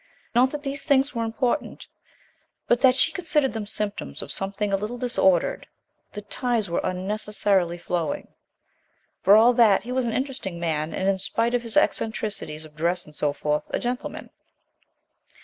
Not that these things were important, but that she considered them symptoms of something a little disordered. The ties were unnecessarily flowing. For all that he was an interesting man, and, in spite of his eccentricities of dress and so forth, a gentleman.